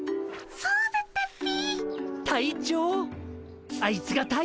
そうだったっピィ。